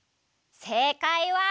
せいかいは。